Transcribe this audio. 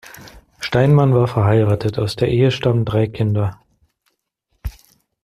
Steinmann war verheiratet; aus der Ehe stammen drei Kinder.